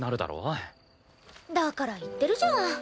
だから言ってるじゃん。